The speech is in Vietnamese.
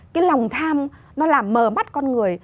cái lòng tham nó làm mờ mắt con người